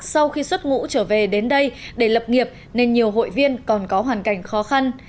sau khi xuất ngũ trở về đến đây để lập nghiệp nên nhiều hội viên còn có hoàn cảnh khó khăn